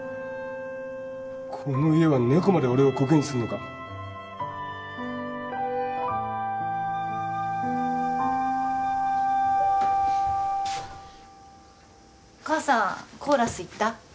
この家は猫まで俺をこけにすんのか？・母さんコーラス行った？